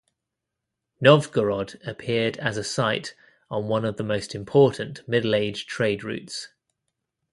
Novgorod appeared as a site on one of the most important Middle-Age trade routes.